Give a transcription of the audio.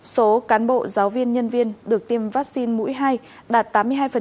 số cán bộ giáo viên nhân viên được tiêm vaccine mũi hai đạt tám mươi hai